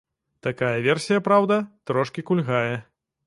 Такая версія, праўда, трошкі кульгае.